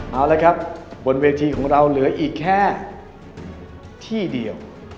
เอาละครับบนเวทีของเราเหลืออีกแค่ที่เดียว